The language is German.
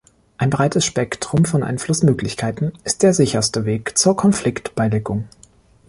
Ein breites Spektrum von Einflussmöglichkeiten ist der sicherste Weg zur Konfliktbeilegung.